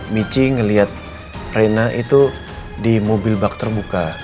michi ngeliat reina itu di mobil bak terbuka